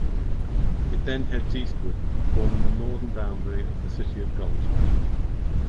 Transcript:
It then heads eastward, forming the northern boundary of the city of Galt.